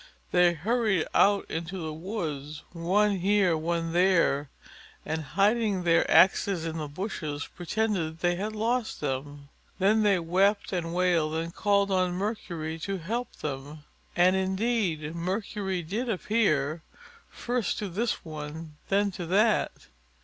They hurried out into the woods, one here, one there, and hiding their axes in the bushes, pretended they had lost them. Then they wept and wailed and called on Mercury to help them. And indeed, Mercury did appear, first to this one, then to that.